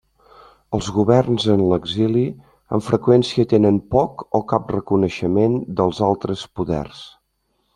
Els governs en l'exili amb freqüència tenen poc o cap reconeixement dels altres poders.